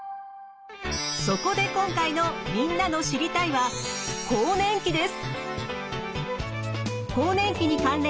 そこで今回のみんなの「知りたい！」は「更年期」です。